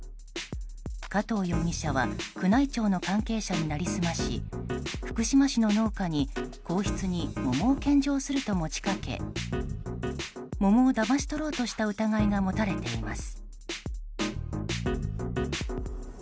加藤容疑者は宮内庁の関係者に成り済まし福島市の農家に皇室に桃を献上すると持ち掛け桃をだまし取ろうとした疑いが持たれています。